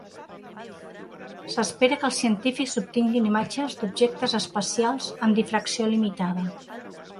S'espera que els científics obtinguin imatges d'objectes espacials amb difracció limitada.